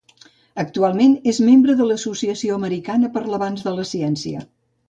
Actualment, és membre de l'Associació americana per l'avanç de la ciència.